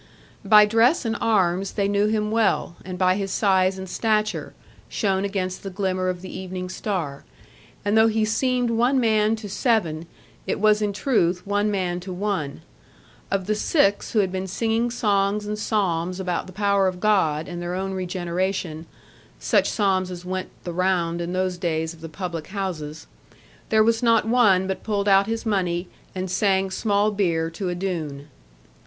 By dress and arms they knew him well, and by his size and stature, shown against the glimmer of the evening star; and though he seemed one man to seven, it was in truth one man to one. Of the six who had been singing songs and psalms about the power of God, and their own regeneration such psalms as went the round, in those days, of the public houses there was not one but pulled out his money, and sang small beer to a Doone.